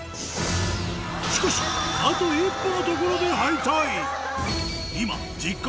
しかしあと一歩のところで敗退